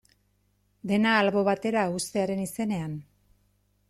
Dena albo batera uztearen izenean?